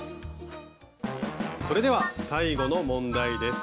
それでは最後の問題です。